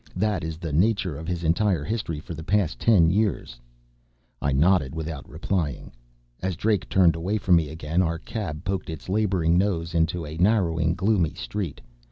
That is the nature of his entire history for the past ten years." I nodded, without replying. As Drake turned away from me again, our cab poked its laboring nose into a narrowing, gloomy street.